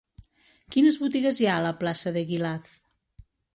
Quines botigues hi ha a la plaça d'Eguilaz?